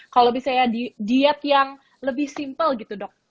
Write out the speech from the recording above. kalau misalnya diet yang lebih simple gitu dok